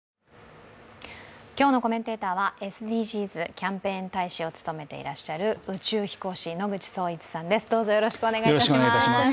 今日のコメンテーターはＳＤＧｓキャンペーン大使を務めてらっしゃる宇宙飛行士、野口聡一さんです。